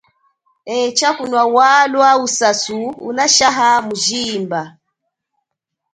Etsha kunwa walwa usasu unashaha mujimba.